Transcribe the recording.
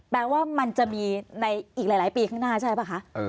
แปลว่ามันจะมีในอีกหลายปีข้างหน้าใช่ป่ะคะ